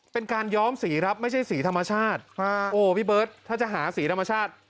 เป็นการย้อมสีครับไม่ใช่สีธรรมชาติโอ้พี่เบิร์ตถ้าจะหาสีธรรมชาติ